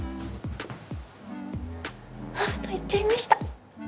ホスト行っちゃいました。